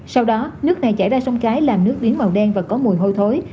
sau đó nước này chảy ra sông cái làm nước biến màu đen và có mùi hôi thối